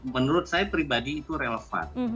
menurut saya pribadi itu relevan